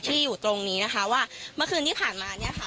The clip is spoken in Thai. อยู่ตรงนี้นะคะว่าเมื่อคืนที่ผ่านมาเนี่ยค่ะ